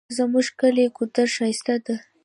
زمونږ کلی ګودر ښایسته ده